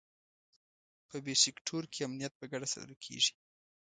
په بي سیکټور کې امنیت په ګډه ساتل کېږي.